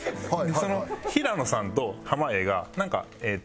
その平野さんと濱家がなんかえっと